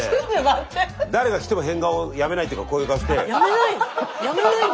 誰が来ても変顔やめないっていうかこういう顔して。